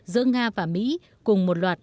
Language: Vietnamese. giữa nga và mỹ cùng một loạt